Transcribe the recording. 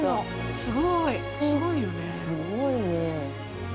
◆すごいね。